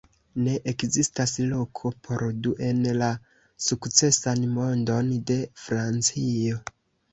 Ne ekzistas loko por du en la sukcesan mondon de Francio".